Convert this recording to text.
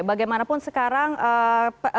bagaimanapun sekarang revisi permainan